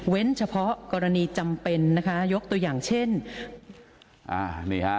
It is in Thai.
เฉพาะกรณีจำเป็นนะคะยกตัวอย่างเช่นอ่านี่ฮะ